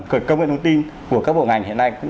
cái công nghệ thông tin của các bộ ngành hiện nay